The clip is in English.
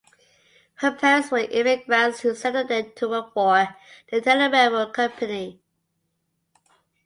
Her parents were immigrants who settled there to work for the Tela Railroad Company.